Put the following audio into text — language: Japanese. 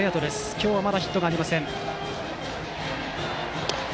今日はまだヒットがありません。